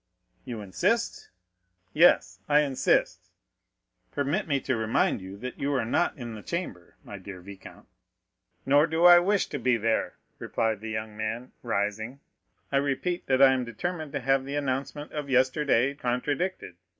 "You insist?" "Yes, I insist." "Permit me to remind you that you are not in the Chamber, my dear viscount." "Nor do I wish to be there," replied the young man, rising. "I repeat that I am determined to have the announcement of yesterday contradicted.